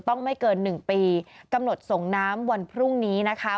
ต้องไม่เกิน๑ปีกำหนดส่งน้ำวันพรุ่งนี้นะคะ